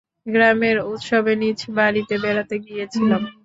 গ্রামের উৎসবে নিজ বাড়িতে বেড়াতে গিয়েছিলাম।